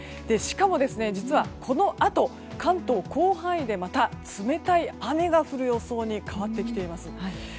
しかも、実はこのあと関東、広範囲でまた冷たい雨が降る予想に変わってきています。